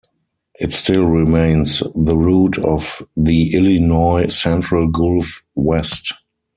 It still remains the route of the Illinois Central Gulf West.